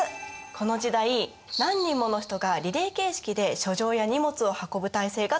この時代何人もの人がリレー形式で書状や荷物を運ぶ体制が整えられたんです。